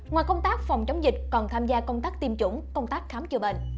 ngoài công tác phòng chống dịch còn tham gia công tác tiêm chủng công tác khám chữa bệnh